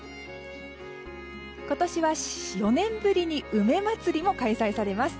今年は４年ぶりに梅まつりも開催されます。